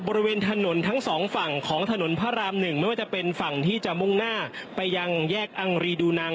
บริเวณถนนทั้งสองฝั่งของถนนพระรามหนึ่งไม่ว่าจะเป็นฝั่งที่จะมุ่งหน้าไปยังแยกอังรีดูนัง